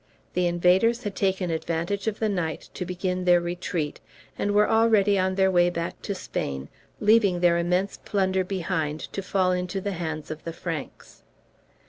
The invaders had taken advantage of the night to begin their retreat, and were already on their way back to Spain, leaving their immense plunder behind to fall into the hands of the Franks.